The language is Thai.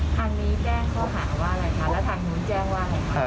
ทางนี้แจ้งข้อหาว่าอะไรคะแล้วทางนู้นแจ้งว่าไงคะ